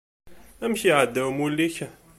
Amek iɛedda umulli-k?